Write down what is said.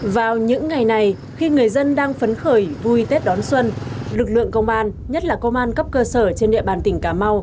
vào những ngày này khi người dân đang phấn khởi vui tết đón xuân lực lượng công an nhất là công an cấp cơ sở trên địa bàn tỉnh cà mau